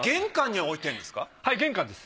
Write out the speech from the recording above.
はい玄関です。